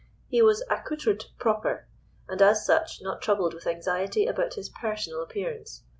He was "accoutred proper," and as such, not troubled with anxiety about his personal appearance.